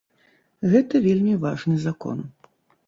Гэта вельмі важны закон.